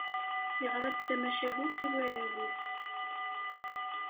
Yeɣra-d tamacahut i warraw-is.